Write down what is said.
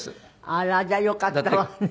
あら。じゃあよかったわね。